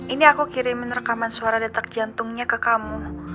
ini aku kirimin rekaman suara detak jantungnya ke kamu